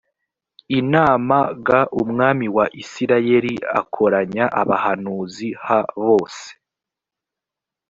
inama g umwami wa isirayeli akoranya abahanuzi h bose